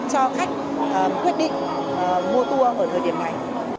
cho khách quyết định mua tour ở thời điểm này